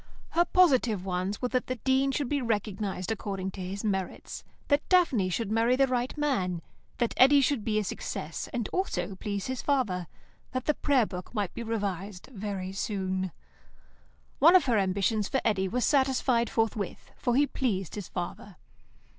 Her positive ones were that the Dean should be recognised according to his merits; that Daphne should marry the right man; that Eddy should be a success, and also please his father; that the Prayer Book might be revised very soon. One of her ambitions for Eddy was satisfied forthwith, for he pleased his father.